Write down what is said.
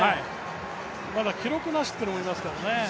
まだ記録なしというのもいますからね。